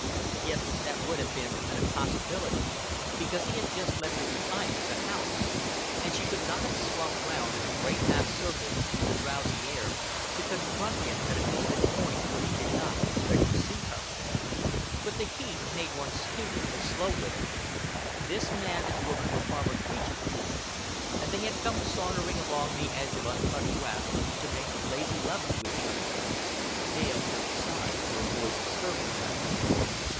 Yet that would have been an impossibility, because he had just left her behind him at the house; and she could not have swum round in a great half circle, through the drowsy air, to confront him at a distant point where he did not expect to see her. But the heat made one stupid and slow witted. This man and woman were farmer Creech's people, and they had come sauntering along the edge of uncut grass to make lazy love to each other. Dale turned aside to avoid disturbing them.